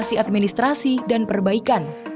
verifikasi administrasi dan perbaikan